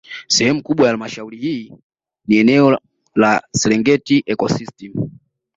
Sehemu kubwa ya Halmashauri hii ni eneo la Serengeti Ecosystem